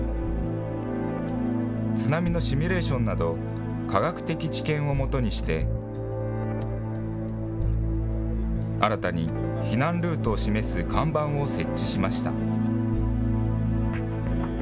津波のシミュレーションなど、科学的知見をもとにして、新たに避難ルートを示す看板を設置しました。